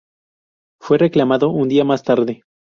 Fue reclamado un día más tarde.